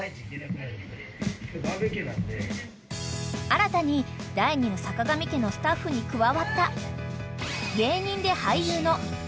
［新たに第２の坂上家のスタッフに加わった］